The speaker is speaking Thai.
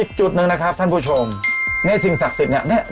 อีกจุดหนึ่งนะครับท่านผู้ชมเนี่ยสิ่งศักดิ์สิทธิ์เนี่ย